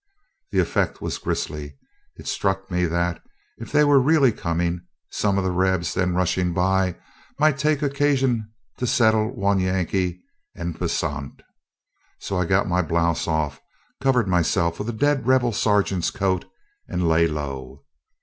The effect was grisly. It struck me that, if they were really coming, some of the rebs then rushing by might take occasion to settle one Yankee "en passant": so I got my blouse off, covered myself with dead rebel sergeant's coat, and lay low.